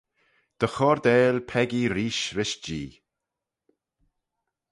Dy chordail peccee reesht rish Jee.